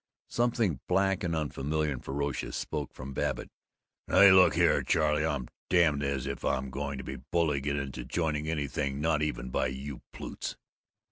Something black and unfamiliar and ferocious spoke from Babbitt: "Now, you look here, Charley! I'm damned if I'm going to be bullied into joining anything, not even by you plutes!"